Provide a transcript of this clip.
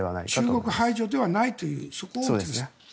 中国排除ではないということですね。